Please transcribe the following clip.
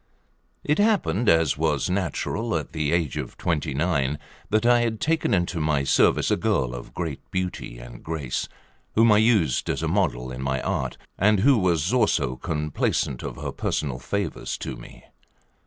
It happened, as was natural at the age of twenty nine, that I had taken into my service a girl of great beauty and grace, whom I used as a model in my art, and who was also complaisant of her personal favours to me.